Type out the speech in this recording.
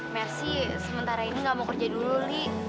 mercy sementara ini gak mau kerja dulu nih